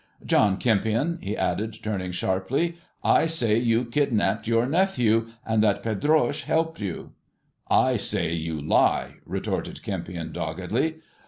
John Kempion," he added, turning sharply, " I say you kidnapped your nephew, and that Pedroche helped you." " I say you lie," retorted Kempion doggedly.